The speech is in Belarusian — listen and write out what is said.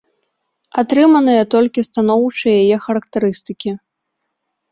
Атрыманыя толькі станоўчыя яе характарыстыкі.